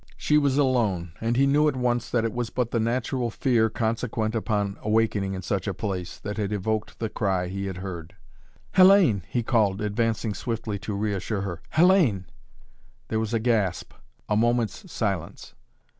She was alone, and he knew at once that it was but the natural fear consequent upon awakening in such a place, that had evoked the cry he had heard. "Hellayne!" he called, advancing swiftly to reassure her. "Hellayne!" There was a gasp, a moment's silence.